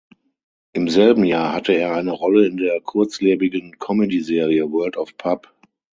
Im selben Jahr hatte er eine Rolle in der kurzlebigen Comedyserie "World of Pub".